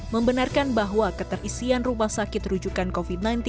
membenarkan bahwa keterisian rumah sakit rujukan covid sembilan belas